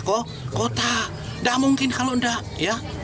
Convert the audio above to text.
kok kota nggak mungkin kalau nggak